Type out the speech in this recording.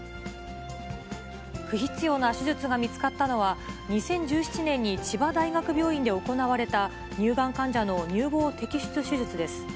不必要な手術が見つかったのは、２０１７年に千葉大学病院で行われた、乳がん患者の乳房摘出手術です。